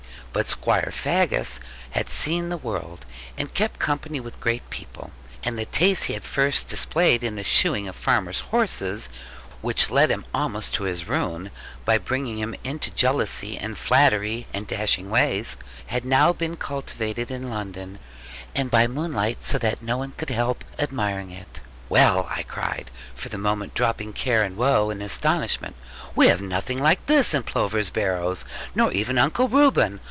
But Squire Faggus had seen the world, and kept company with great people; and the taste he had first displayed in the shoeing of farmers' horses (which led almost to his ruin, by bringing him into jealousy, and flattery, and dashing ways) had now been cultivated in London, and by moonlight, so that none could help admiring it. 'Well!' I cried, for the moment dropping care and woe in astonishment: 'we have nothing like this at Plover's Barrows; nor even Uncle Reuben.